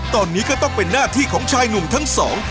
ตอนนี้ก็ต้องเป็นหน้าที่ของชายหนุ่มทั้งสอง